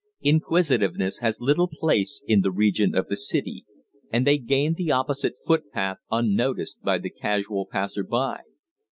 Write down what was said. Inquisitiveness has little place in the region of the city, and they gained the opposite footpath unnoticed by the casual passer by.